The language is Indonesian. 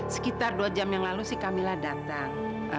sekitar dua jam yang lalu si kak mila datang